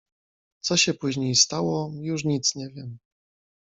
"Co się później stało, już nic nie wiem."